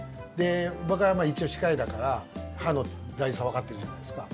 僕は一応、歯科医だから歯の大事さがわかってるじゃないですか。